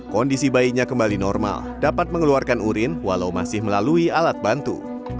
kondisi bayinya kembali normal dapat mengeluarkan urin walau masih melalui alat bantu